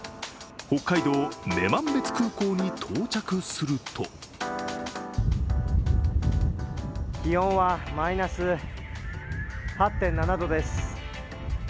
北海道、女満別空港に到着すると気温はマイナス８．７度です。